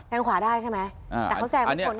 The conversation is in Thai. แซงขวาได้ใช่ไหม